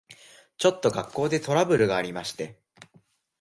ちょっと学校でトラブルがありまして。